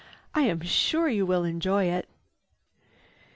I am sure you will enjoy it."